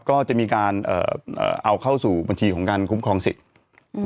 ก็จะมีการเอ่อเอาเข้าสู่บัญชีของการคุ้มครองสิทธิ์อืม